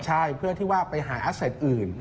ใช่เพื่อที่ว่าไปหาอาเซตอื่น